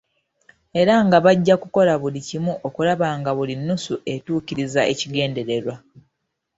Era nga bajja kukola buli kimu okulaba nga buli nnusu etuukiriza ekigendererwa.